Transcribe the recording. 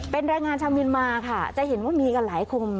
เป็นแรงงานชาวเมียนมาค่ะจะเห็นว่ามีกันหลายคน